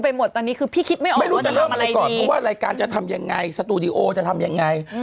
จะเริ่มไปก่อนว่ารายการจะทำยังไงสตูดิโอจะทำยังไง